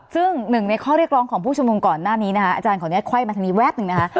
ซึ่งหนึ่งในข้อเรียกร้องของผู้ชุมนุมก่อนหน้านี้นะคะอาจารย์ขออนุญาตไขว้มาทางนี้แป๊บหนึ่งนะคะ